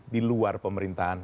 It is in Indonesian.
di luar pemerintahan